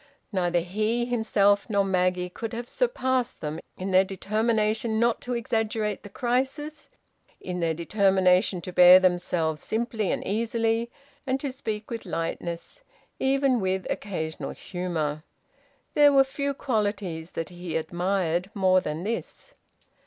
Neither he himself nor Maggie could have surpassed them in their determination not to exaggerate the crisis, in their determination to bear themselves simply and easily, and to speak with lightness, even with occasional humour. There were few qualities that he admired more than this.